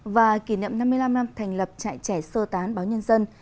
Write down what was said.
và kỷ niệm năm mươi năm năm thành lập trại trẻ sơ tán báo nhân dân